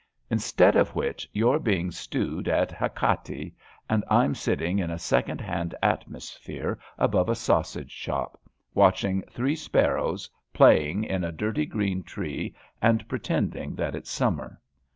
Instead of which you're being stewed at Hakaiti and I'm sitting in a second hand atmos phere above a sausage shop, watching three spar rows playing in a dirty green tree and pretending that it's summer.